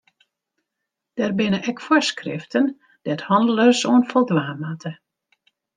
Der binne ek foarskriften dêr't hannelers oan foldwaan moatte.